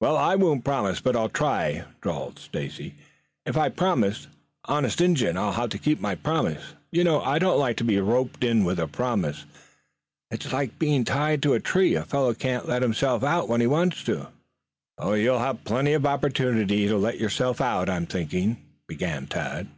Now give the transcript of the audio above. "Well, I won't promise, but I'll try," drawled Stacy. "If I promised, honest Injun, I'd have to keep my promise. You know I don't like to be roped with a promise. It's like being tied to a tree. A fellow can't let himself out when he wants to." "You'll have plenty of opportunity to let yourself out, I am thinking. Something do " began Tad.